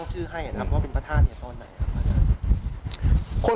ชื่อให้นำว่าพระธาตุตอนไหน